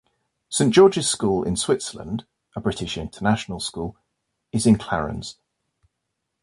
Saint George's School in Switzerland, a British international school, is in Clarens.